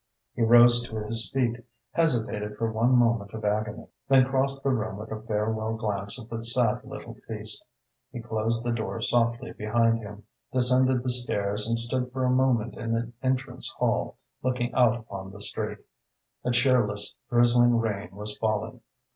He rose to his feet, hesitated for one moment of agony, then crossed the room with a farewell glance at the sad little feast. He closed the door softly behind him, descended the stairs and stood for a moment in the entrance hall, looking out upon the street. A cheerless, drizzling rain was falling.